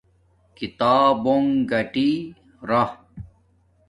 کتابونݣ گاٹی راہ